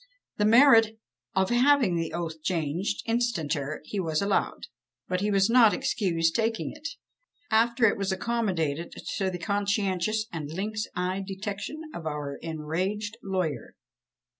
The merit of having the oath changed, instanter, he was allowed; but he was not excused taking it, after it was accommodated to the conscientious and lynx eyed detection of our enraged lawyer.